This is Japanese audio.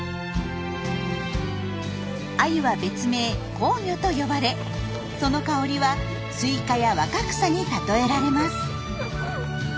アユは別名「香魚」と呼ばれその香りはスイカや若草に例えられます。